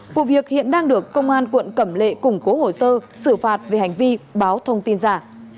vụ việc hiện đang được công an quận cẩm lệ củng cố hồ sơ xử phạt về hành vi báo thông tin giả